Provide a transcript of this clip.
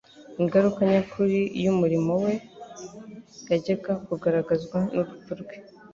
Ingaruka nyakuri y'umurimo we yajyaga kugaragazwa n'urupfu rwe.